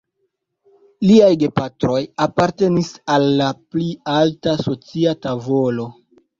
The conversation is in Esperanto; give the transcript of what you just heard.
Liaj gepatroj apartenis al la pli alta socia tavolo.